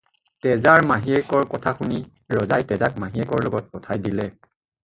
তেজাৰ মাহীয়েকৰ কথা শুনি ৰজাই তেজাক মাহীয়েকৰ লগত পঠিয়াই দিলে।